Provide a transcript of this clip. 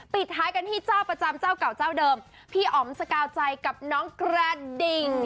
ปิดท้ายกันที่เจ้าประจำเจ้าเก่าเจ้าเดิมพี่อ๋อมสกาวใจกับน้องกระดิ่ง